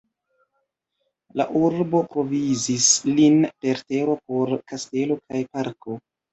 La urbo provizis lin per tero por kastelo kaj parko.